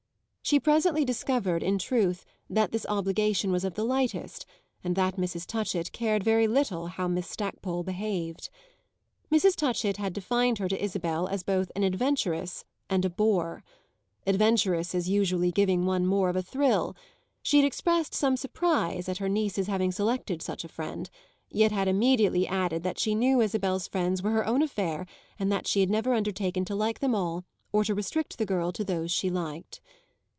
She presently discovered, in truth, that this obligation was of the lightest and that Mrs. Touchett cared very little how Miss Stackpole behaved. Mrs. Touchett had defined her to Isabel as both an adventuress and a bore adventuresses usually giving one more of a thrill; she had expressed some surprise at her niece's having selected such a friend, yet had immediately added that she knew Isabel's friends were her own affair and that she had never undertaken to like them all or to restrict the girl to those she liked.